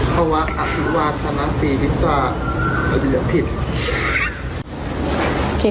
พระวักษณ์อภิวักษณ์ธรรมศีรษฐ์พิษศาสตร์พิษศาสตร์